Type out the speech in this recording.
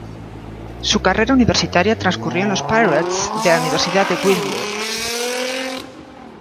Su carrera universitaria transcurrió en los "Pirates" de la Universidad de Whitworth.